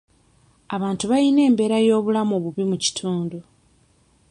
Abantu bayina embeera y'obulamu obubi mu kitundu.